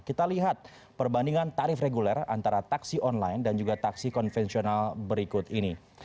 kita lihat perbandingan tarif reguler antara taksi online dan juga taksi konvensional berikut ini